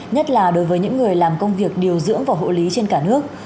nhất là đối với những người làm công việc điều dưỡng và hộ lý trên cả nước